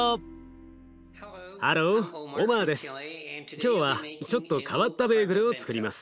今日はちょっと変わったベーグルをつくります。